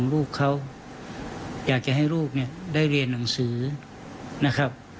ลูกเขาอยากจะให้ลูกเนี่ยได้เรียนหนังสือนะครับ